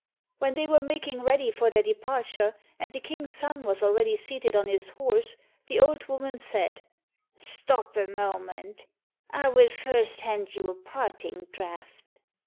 When they were making ready for their departure, and the King's son was already seated on his horse, the old woman said, "Stop a moment, I will first hand you a parting draught."